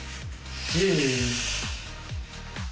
１０。